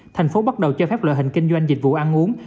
thành phố bắt đầu cho phép loại hình kinh doanh dịch vụ ăn uống